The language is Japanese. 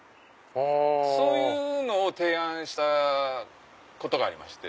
そういうのを提案したことがありまして。